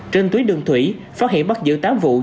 trên tuyến đường thủy phát hiện bắt giữ tám vụ